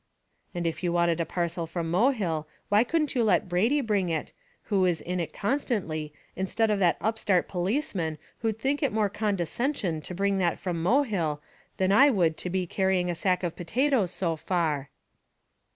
"And if you wanted a parcel from Mohill, why couldn't you let Brady bring it, who is in it constantly, instead of that upstart policeman, who'd think it more condescension to bring that from Mohill, than I would to be carrying a sack of potatoes so far."